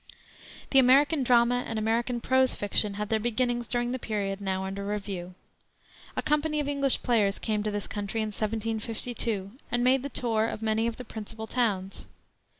The American drama and American prose fiction had their beginnings during the period now under review. A company of English players came to this country in 1752 and made the tour of many of the principal towns.